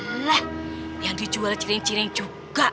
belah yang dijual cireng cireng juga